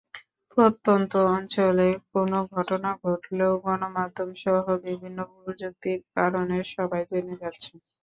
প্রত্যন্ত অঞ্চলে কোনো ঘটনা ঘটলেও গণমাধ্যমসহ বিভিন্ন প্রযুক্তির কারণে সবাই জেনে যাচ্ছে।